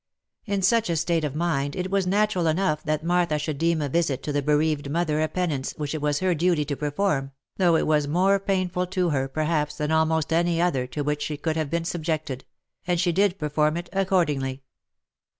In such a state of mind it was natural enough that Martha should deem a visit to the bereaved mother a penance which it was her duty to perform (though it was more painful to her, perhaps, than almost any other to which she could have been subjected), and she did per form it accordingly.